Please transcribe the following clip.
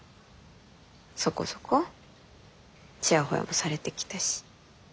そこそこチヤホヤもされてきたし。